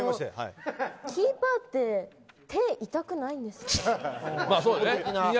キーパーって手痛くないんですか。